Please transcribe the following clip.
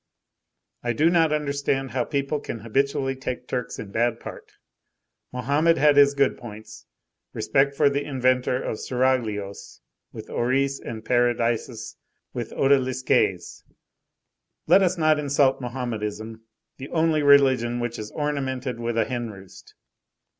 I do not understand how people can habitually take Turks in bad part; Mohammed had his good points; respect for the inventor of seraglios with houris and paradises with odalisques! Let us not insult Mohammedanism, the only religion which is ornamented with a hen roost!